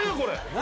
何？